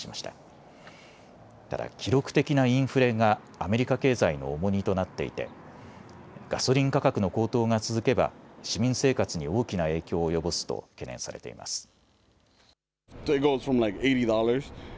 ただ記録的なインフレがアメリカ経済の重荷となっていてガソリン価格の高騰が続けば市民生活に大きな影響を及ぼすと懸念されています。